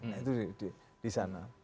nah itu di sana